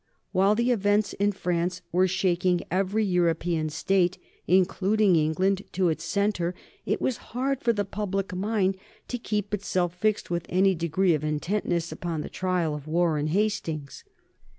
While the events in France were shaking every European State, including England, to its centre, it was hard for the public mind to keep itself fixed with any degree of intentness upon the trial of Warren Hastings.